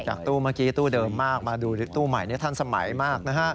ตู้เมื่อกี้ตู้เดิมมากมาดูตู้ใหม่ทันสมัยมากนะฮะ